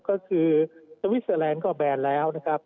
ก็คือสวิสเตอร์แลนด์ก็แบนแล้วนะครับ